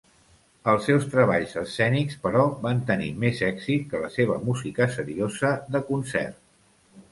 Els seus treballs escènics, però, van tenir més èxit que la seva música seriosa de concert.